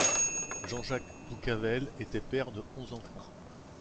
Jean-Jacques Boucavel était père de onze enfants.